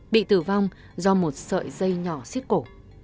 bị tử vong do một sợi dây nhỏ xiết cổ